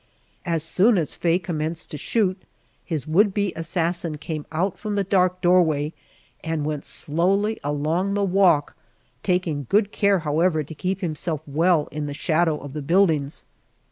As soon as Faye commenced to shoot, his would be assassin came out from the dark doorway and went slowly along the walk, taking good care, however, to keep himself well in the shadow of the buildings.